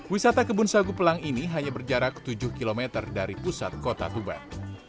wisata kebun sagu pelang ini hanya berjarak tujuh km dari pusat kota tuban